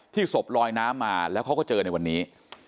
ศพลอยน้ำมาแล้วเขาก็เจอในวันนี้